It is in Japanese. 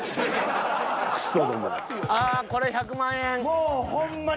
これ１００万円。